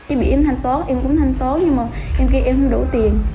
em bị em thanh tốt em cũng thanh tốt nhưng mà em kêu em không đủ tiền